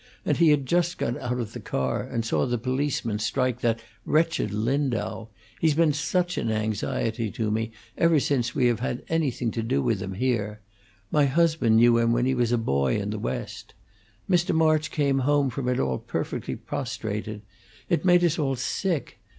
And he had just got out of the car, and saw the policeman strike that wretched Lindau he's been such an anxiety to me ever since we have had anything to do with him here; my husband knew him when he was a boy in the West. Mr. March came home from it all perfectly prostrated; it made us all sick!